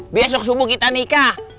besok subuh kita nikah